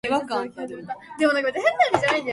セルジッペ州の州都はアラカジュである